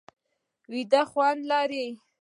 ویده خوند لري